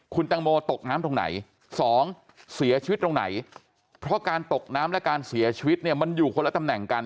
คุณตังโมตกน้ำตรงไหนสองเสียชีวิตตรงไหนเพราะการตกน้ำและการเสียชีวิตเนี่ยมันอยู่คนละตำแหน่งกัน